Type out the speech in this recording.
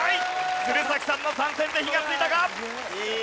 鶴崎さんの参戦で火がついたか？